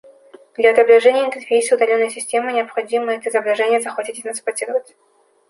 Для отображения интерфейса удаленной системы, необходимо это изображение захватить и транспортировать